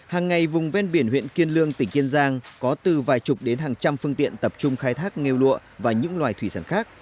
hàng ngày vùng ven biển huyện kiên lương tỉnh kiên giang có từ vài chục đến hàng trăm phương tiện tập trung khai thác ngu lụa và những loài thủy sản khác